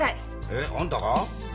えっあんたが？